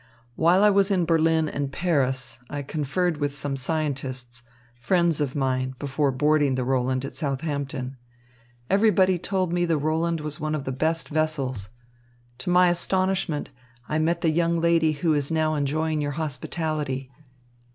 While I was in Berlin and Paris, I conferred with some scientists, friends of mine, before boarding the Roland at Southampton. Everybody told me the Roland was one of the best vessels. To my astonishment, I met the young lady who is now enjoying your hospitality.